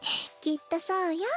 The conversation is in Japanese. きっとそうよ。